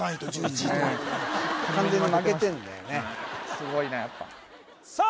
すごいなやっぱさあ